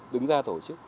đứng ra tổ chức